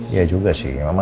ya juga sih mama